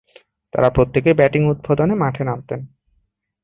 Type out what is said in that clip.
তারা প্রত্যেকেই ব্যাটিং উদ্বোধনে মাঠে নামতেন।